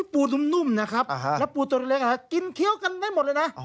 ปูนุ่มนะครับแล้วปูตัวเล็กกินเคี้ยวกันได้หมดเลยนะ